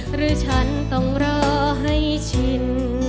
หรือฉันต้องรอให้ชิน